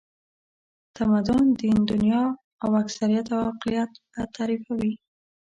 تمدن، دین، دنیا او اکثریت او اقلیت به تعریفوي.